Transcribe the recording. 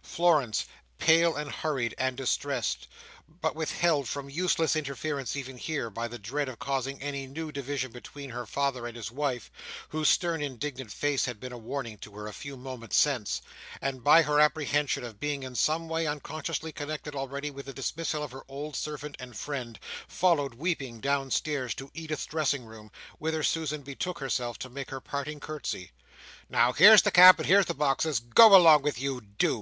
Florence, pale and hurried and distressed, but withheld from useless interference even here, by her dread of causing any new division between her father and his wife (whose stern, indignant face had been a warning to her a few moments since), and by her apprehension of being in some way unconsciously connected already with the dismissal of her old servant and friend, followed, weeping, downstairs to Edith's dressing room, whither Susan betook herself to make her parting curtsey. "Now, here's the cab, and here's the boxes, get along with you, do!"